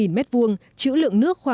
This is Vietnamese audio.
đập dao kèo được nạo vét sửa chữa